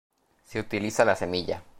Se utiliza la semilla.